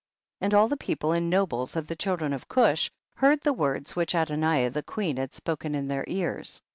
8. And all the people and nobles of the children of Cush heard the words which Adoniah the queen had spoken in their ears.